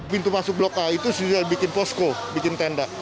pintu masuk blok a itu sudah bikin posko bikin tenda